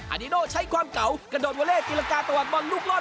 อาเดโนใช้ความเก่ากระโดดวาเลกีลากาตะวัดบอลลูกรอด